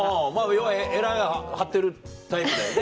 要はエラが張ってるタイプだよね。